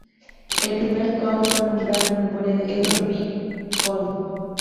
El primer "Cole" fue nombrado en memoria de Edward B. Cole.